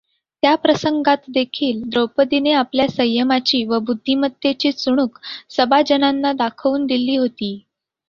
त्या प्रसंगातदेखील द्रौपदीने आपल्या संयमाची व बुद्धिमत्तेची चुणूक सभाजनांना दाखवून दिली होती.